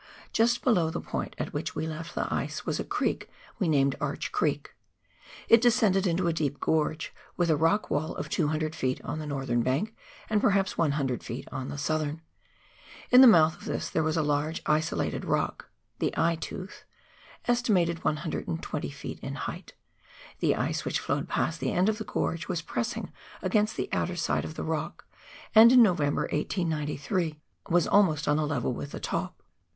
Just below the point at which we left the ice was a creek we named Arch Creek. It descended into a deep gorge, with a rock wall of 200 ft. on the northern bank, and perhaps 100 ft. on the southern. In the mouth of this there was a large, isolated rock, " The Eye Tooth," (estimated) 120 ft. in height ; the ice, which flowed past the end of the gorge, was pressing against the outer side of the rock, and in November, 1893, was almost on a level with the top.